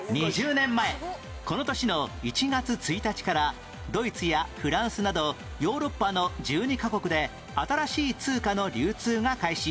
２０年前この年の１月１日からドイツやフランスなどヨーロッパの１２カ国で新しい通貨の流通が開始